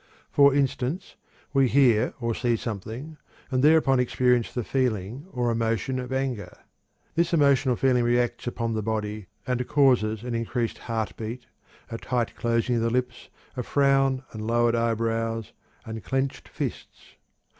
For instance, we hear or see something, and thereupon experience the feeling or emotion of anger. This emotional feeling reacts upon the body and causes an increased heart beat, a tight closing of the lips, a frown and lowered eyebrows, and clinched fists.